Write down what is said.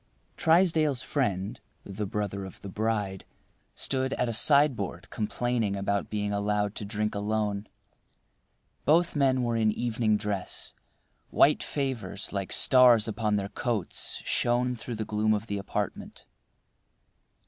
Trysdale's friend, the brother of the bride, stood at a sideboard complaining at being allowed to drink alone. Both men were in evening dress. White favors like stars upon their coats shone through the gloom of the apartment.